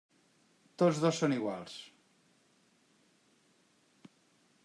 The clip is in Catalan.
Tots dos són iguals.